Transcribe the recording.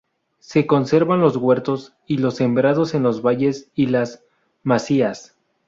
Se conservan los huertos y los sembrados en los valles y las masías.